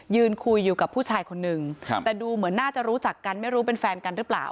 ยืนคุยอยู่กับผู้ชายคนนึงแต่ดูเหมือนน่าจะรู้จักกันไม่รู้เป็นแฟนกันหรือเปล่า